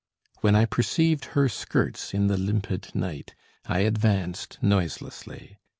"When I perceived her skirts in the limpid night, I advanced noiselessly.